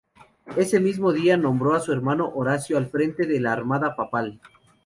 Ese mismo día nombró a su hermano Horacio al frente de la armada papal.